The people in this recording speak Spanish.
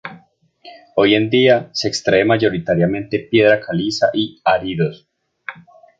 Hoy en día, se extrae mayoritariamente piedra caliza y áridos.